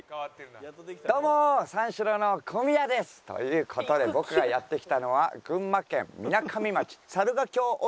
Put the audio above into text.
どうも三四郎の小宮です！という事で僕がやって来たのは群馬県みなかみ町猿ヶ京温泉です。